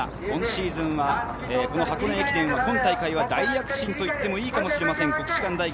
今シーズンはこの箱根駅伝、今大会は大躍進といってもいいかもしれません。